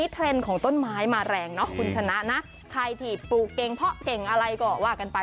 เทรนด์ของต้นไม้มาแรงเนาะคุณชนะนะใครที่ปลูกเก่งเพาะเก่งอะไรก็ว่ากันไป